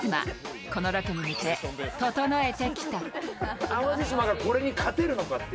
このロケに向け、整えてきた。